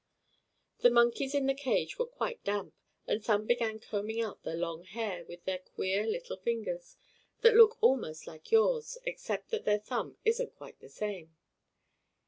The monkeys in the cage were quite damp, and some began combing out their long hair with their queer little fingers, that look almost like yours, except that their thumb isn't quite the same.